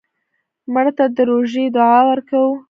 مړه ته د روژې دعا ورکوو